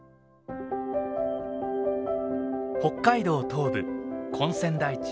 北海道東部根釧台地。